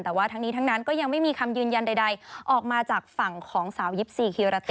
แต่ว่าทั้งนี้ทั้งนั้นก็ยังไม่มีคำยืนยันใดออกมาจากฝั่งของสาว๒๔คีราเต้